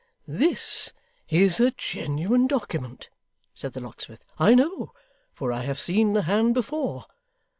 'This is a genuine document,' said the locksmith, 'I know, for I have seen the hand before.